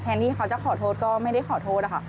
ที่เขาจะขอโทษก็ไม่ได้ขอโทษนะคะ